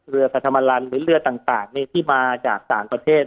เรือกาธรรมาลันท์หรือเรือต่างต่างเนี่ยที่มาจากสหกประเทศ